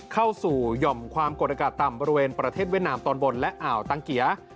เข้าสู่หย่อมความกดอากาศต่ำบริเวณประเทศเวียดนามตอนบนและอ่าวตังเกีย